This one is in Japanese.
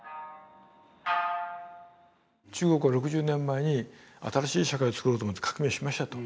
中国は６０年前に新しい社会をつくろうと思って革命しましたと。